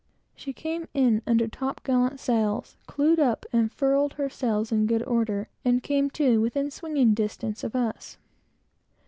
She came in under top gallant sails, clewed up and furled her sails in good order, and came to, within good swinging distance of us.